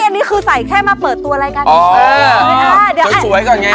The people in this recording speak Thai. นี่คือใส่แค่มาเปิดตัวรายการ